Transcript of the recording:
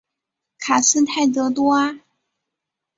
卡斯泰德多阿。